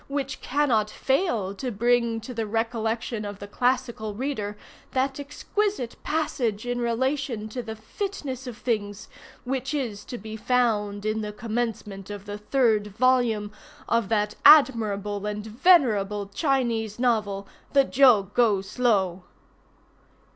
which cannot fail to bring to the recollection of the classical reader that exquisite passage in relation to the fitness of things, which is to be found in the commencement of the third volume of that admirable and venerable Chinese novel the Jo Go Slow.